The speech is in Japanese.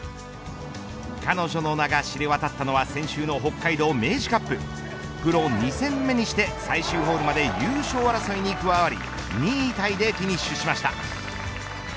彼女の名が知れ渡ったのは先週の北海道ｍｅｉｊｉカッププロ２戦目にして最終ホールまで優勝争いに加わり、２位タイでフィニッシュしました。